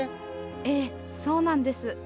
ええそうなんです。